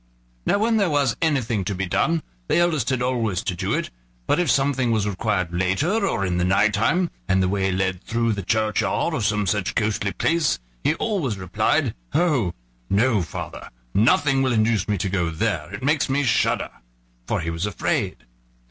Now when there was anything to be done, the eldest had always to do it; but if something was required later or in the night time, and the way led through the churchyard or some such ghostly place, he always replied: "Oh! no, father: nothing will induce me to go there, it makes me shudder!" for he was afraid.